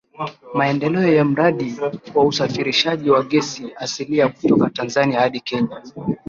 Maendeleo ya mradi wa usafirishaji wa gesi asilia kutoka Tanzania hadi Kenya